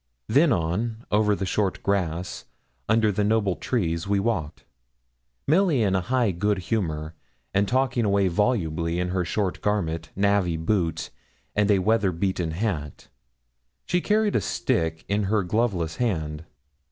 Then on, over the short grass, under the noble trees, we walked; Milly in high good humour, and talking away volubly, in her short garment, navvy boots, and a weather beaten hat. She carried a stick in her gloveless hand.